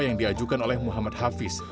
yang diajukan oleh muhammad hafiz